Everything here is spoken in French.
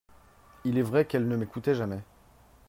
Il est vrai qu'elle ne m'écoutait jamais.